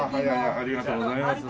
ありがとうございます。